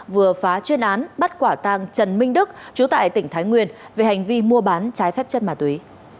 vừa phá chuyên án bắt quả tàng trần minh đức chú tại tỉnh thái nguyên về hành vi mua bán trái phép chất ma túy